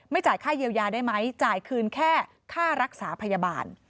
จ่ายค่าเยียวยาได้ไหมจ่ายคืนแค่ค่ารักษาพยาบาล